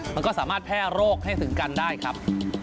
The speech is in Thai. มันก็สามารถแพร่โรคให้ถึงกันได้ครับ